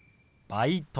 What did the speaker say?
「バイト」。